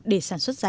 để sản xuất ra